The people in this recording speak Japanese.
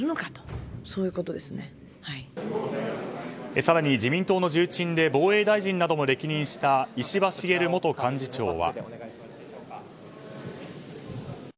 更に自民党の重鎮で防衛大臣なども歴任した石破茂元幹事長は。